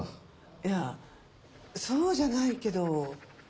いやそうじゃないけど。